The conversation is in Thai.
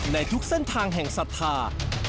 ในทุกเส้นทางแห่งศรัทธา